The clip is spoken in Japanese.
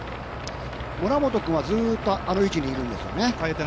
村本君はずっとあの位置にいるんですよね。